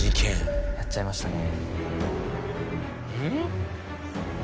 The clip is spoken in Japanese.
やっちゃいましたね。